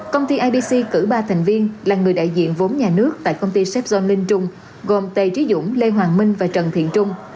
công ty ipc cử ba thành viên là người đại diện vốn nhà nước tại công ty sép dôn linh trung gồm t chí dũng lê hoàng minh và trần thiện trung